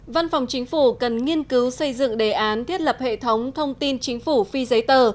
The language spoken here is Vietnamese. văn phòng chính phủ cần nghiên cứu xây dựng đề án thiết lập hệ thống thông tin chính phủ phi giấy tờ